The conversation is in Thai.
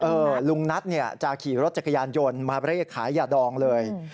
ลุงนัทเนี่ยจะขี่รถจักรยานยนต์มาเร่ขายยาดองเลย